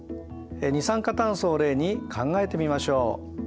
二酸化炭素を例に考えてみましょう。